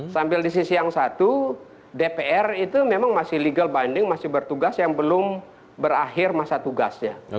sambil di sisi yang satu dpr itu memang masih legal banding masih bertugas yang belum berakhir masa tugasnya